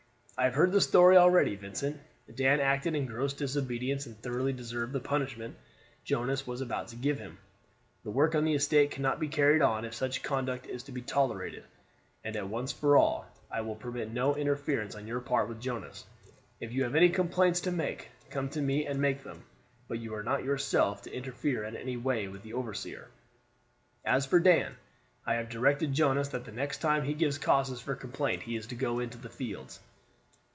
"I have heard the story already, Vincent. Dan acted in gross disobedience, and thoroughly deserved the punishment Jonas was about to give him. The work of the estate cannot be carried on if such conduct is to be tolerated; and once for all, I will permit no interference on your part with Jonas. If you have any complaints to make, come to me and make them; but you are not yourself to interfere in any way with the overseer. As for Dan, I have directed Jonas that the next time he gives cause for complaint he is to go into the fields."